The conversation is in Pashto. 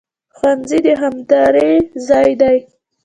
ښوونځی د همدرۍ ځای دی